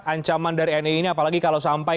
ancaman dari nii ini apalagi kalau sampai